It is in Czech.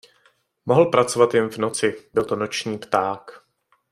Mohl pracovat jen v noci, byl to noční pták.